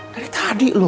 dari tadi lho